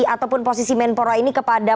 ataupun posisi menpora ini kepada